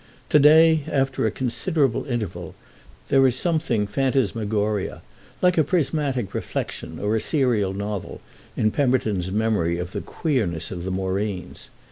To day, after a considerable interval, there is something phantasmagoria, like a prismatic reflexion or a serial novel, in Pemberton's memory of the queerness of the Moreens.